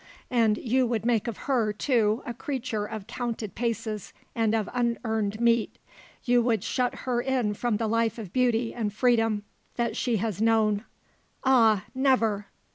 and you would make of her, too, a creature of counted paces and of unearned meat! You would shut her in from the life of beauty and freedom that she has known! Ah never!